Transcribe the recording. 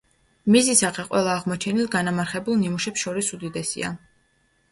მისი სახე ყველა აღმოჩენილ განამარხებულ ნიმუშებს შორის უდიდესია.